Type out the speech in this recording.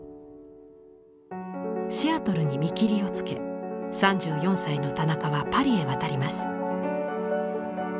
シアトルに見切りをつけ３４歳の田中はパリへ渡ります。